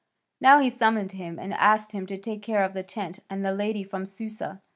Now he summoned him, and asked him to take care of the tent and the lady from Susa.